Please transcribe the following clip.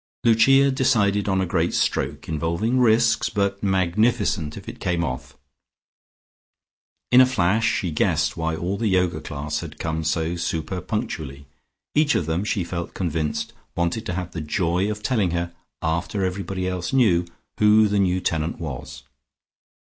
Lucia decided on a great stroke, involving risks but magnificent if it came off. In a flash she guessed why all the Yoga class had come so super punctually; each of them she felt convinced wanted to have the joy of telling her, after everybody else knew, who the new tenant was.